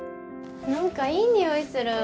何かいい匂いする。